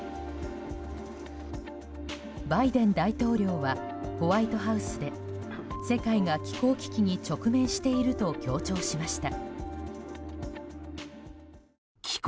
バイデン大統領はホワイトハウスで世界が気候危機に直面していると強調しました。